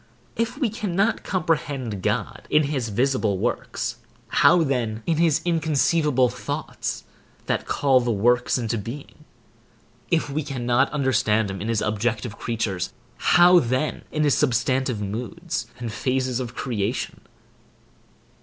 If we cannot comprehend God in his visible works, how then in his inconceivable thoughts, that call the works into being? If we cannot understand him in his objective creatures, how then in his substantive moods and phases of creation?